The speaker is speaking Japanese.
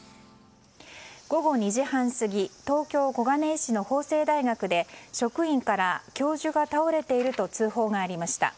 午後２時半過ぎ東京・小金井市の法政大学で職員から教授が倒れていると通報がありました。